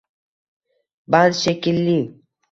Band shekilli.